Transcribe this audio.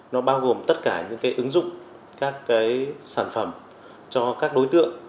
nó bao gồm tất cả những ứng dụng các sản phẩm cho các đối tượng